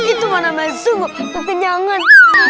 itu mana masung tuh kenyangan